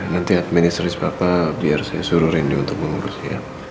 nanti administris papa biar saya suruh rindy untuk mengurusnya